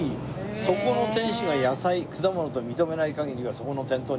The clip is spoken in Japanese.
そこの店主が野菜果物と認めない限りはそこの店頭に置かないという。